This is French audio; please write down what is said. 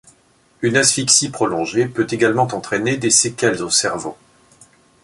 Une asphyxie prolongée peut également entraîner des séquelles au cerveau.